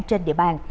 trên đất nước